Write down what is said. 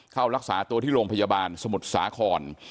เข้ารักษาตัวที่โรงพยาบาลสมุทรสาคร